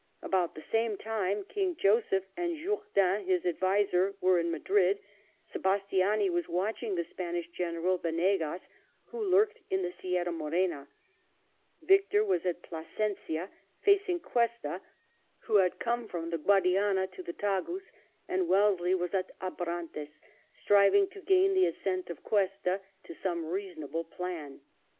About the same time King Joseph and Jourdan, his adviser, were in Madrid ; Sebastiani was watching the Spanish general Venegas, who lurked in the Sierra Morena ; Victor was at Plasencia, facing Cuesta, who had come from the Guadiana to the Tagus ; and Wellesley was at Abrantes, striving to gain the assent of Cuesta to some reasonable plan.